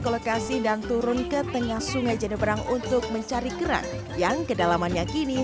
ke lokasi dan turun ke tengah sungai jenebrang untuk mencari kerang yang kedalamannya kini